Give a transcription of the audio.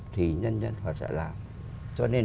thì nhân dân họ sẽ làm cho nên